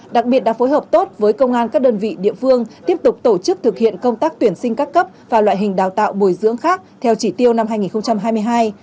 đặc biệt đã phối hợp tốt với công an các đơn vị địa phương tiếp tục tổ chức thực hiện công tác tuyển sinh các cấp và loại hình đào tạo bồi dưỡng khác theo chỉ tiêu năm hai nghìn hai mươi hai